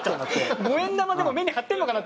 ５円玉でも目に貼ってんのかな？